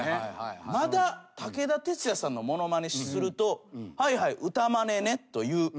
まだ武田鉄矢さんのものまねすると「はいはい歌まねね」という。